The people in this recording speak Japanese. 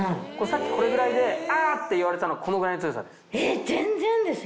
さっきこれぐらいであ！って言われたのこのぐらいの強さです。